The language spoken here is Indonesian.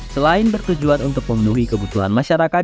selain bertujuan untuk memenuhi kebutuhan masyarakat